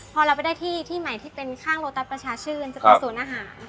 พอเราไปได้ที่ที่ใหม่ที่เป็นข้างโลตัสประชาชื่นจะไปศูนย์อาหาร